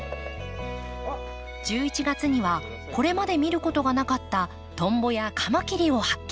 １１月にはこれまで見ることがなかったトンボやカマキリを発見。